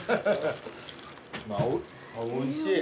おいしい。